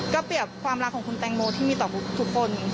ก็เปรียบความรักของคุณแตงโมที่มีต่อทุกคน